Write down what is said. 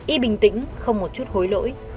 y bình tĩnh không một chút hối lỗi